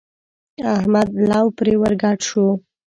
احمد لو پرې ور ګډ شو.